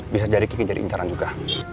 bisa jadi kiki jadi incaran juga